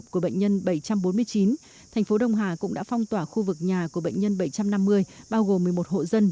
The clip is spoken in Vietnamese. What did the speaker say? của bệnh nhân bảy trăm bốn mươi chín thành phố đông hà cũng đã phong tỏa khu vực nhà của bệnh nhân bảy trăm năm mươi bao gồm một mươi một hộ dân